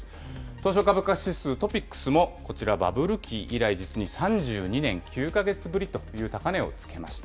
東証株価指数・トピックスも、こちらバブル期以来、実に３２年９か月ぶりという高値をつけました。